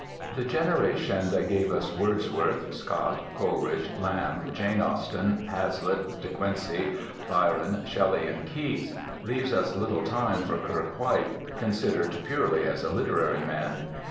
The generation that gave us Wordsworth, Scott, Coleridge, Lamb, Jane Austen, Hazlitt, De Quincey, Byron, Shelley, and Keats, leaves us little time for Kirke White considered purely as a literary man.